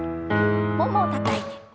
ももをたたいて。